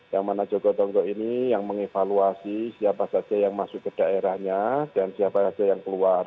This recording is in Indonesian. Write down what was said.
yang mana jogotonggo ini yang mengevaluasi siapa saja yang masuk ke daerahnya dan siapa saja yang keluar